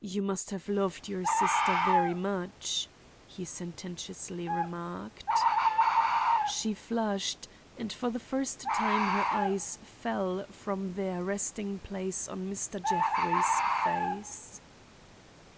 "You must have loved your sister very much," he sententiously remarked. She flushed and for the first time her eyes fell from their resting place on Mr. Jeffrey's face.